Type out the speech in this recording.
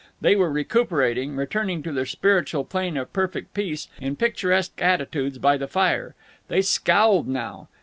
They were recuperating, returning to their spiritual plane of perfect peace, in picturesque attitudes by the fire. They scowled now.